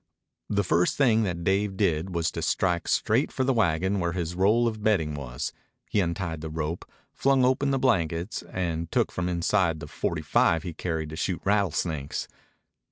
The first thing that Dave did was to strike straight for the wagon where his roll of bedding was. He untied the rope, flung open the blankets, and took from inside the forty five he carried to shoot rattlesnakes.